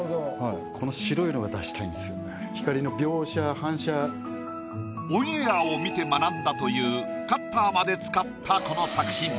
このオンエアを見て学んだというカッターまで使ったこの作品。